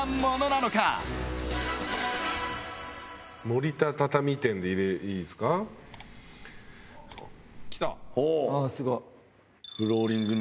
森田畳店で入れいいですか来たああ